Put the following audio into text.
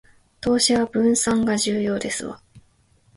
投資は分散が重要ですわ